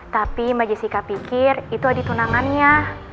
tapi mbak jessica pikir itu ada tunangannya